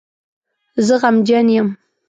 زه غمجن یم